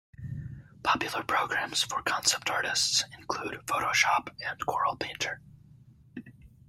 Popular programs for concept artists include PhotoShop and Corel Painter.